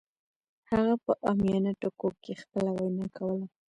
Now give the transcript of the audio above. هغه په عامیانه ټکو کې خپله وینا کوله